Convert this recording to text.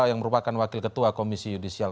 yang merupakan wakil ketua komisi yudisial